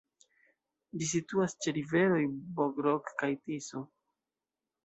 Ĝi situas ĉe riveroj Bodrog kaj Tiso.